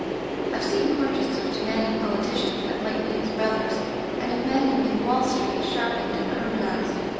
"I've seen portraits of Tammany politi cians that might be his brothers, and have met him in Wall Street, sharpened and ur banized.